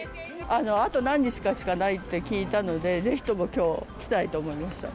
あと何日しかないと聞いたので、ぜひともきょう来たいと思いました。